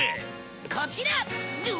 こちら！